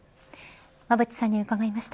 馬渕さんに伺いました。